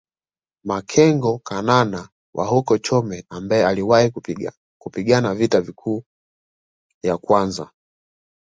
Makengo Kanana wa huko Chome ambaye aliwahi kupigana vita kuu ya kwanza